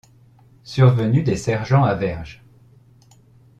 Survenue des sergents à verge.